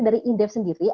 dari indef sendiri